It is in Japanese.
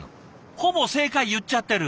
ほぼ正解言っちゃってる。